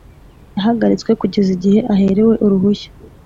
yahagaritswe kugeza igihe aherewe uruhushya